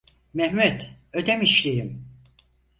Mehmet, Ödemişliyim.